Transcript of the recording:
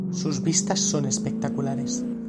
Sus vistas son espectaculares.